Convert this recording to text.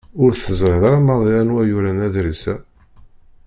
Ur teẓriḍ ara maḍi anwa yuran adlis-a?